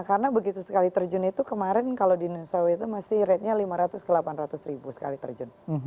karena begitu sekali terjun itu kemarin kalau di indonesia itu masih ratenya lima ratus ke delapan ratus ribu sekali terjun